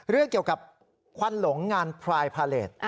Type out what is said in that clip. เรื่องเกี่ยวกับควันหลงงานพรายพาเลส